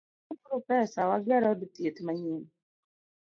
Wasol uru pesa wager od thieth manyien.